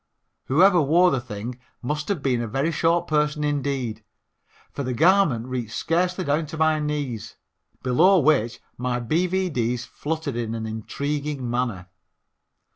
Whoever wore the thing must have been a very short person indeed, for the garment reached scarcely down to my knees, below which my B.V.D.'s fluttered in an intriguing manner.